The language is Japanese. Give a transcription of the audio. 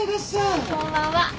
こんばんは。